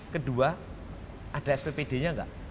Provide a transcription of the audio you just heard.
kedua ada sppd nya nggak